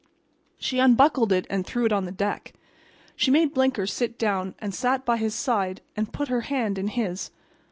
She unbuckled it and threw it on the deck. She made Blinker sit down and sat by his side and put her hand in his.